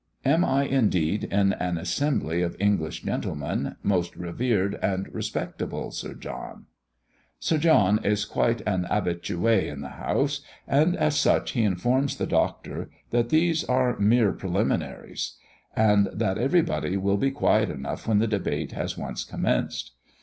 Am I indeed in an assembly of English gentlemen, most revered and respectable Sir John?" Sir John is quite an habitué in the house, and as such, he informs the Doctor, that these are mere preliminaries, and that everybody will be quiet enough when the debate has once commenced.